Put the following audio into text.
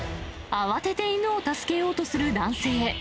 慌てて犬を助けようとする男性。